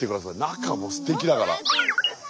中もすてきだから。